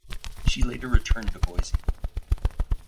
She later returned to Boise.